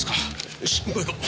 よし向こう行こう。